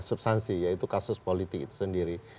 substansi yaitu kasus politik itu sendiri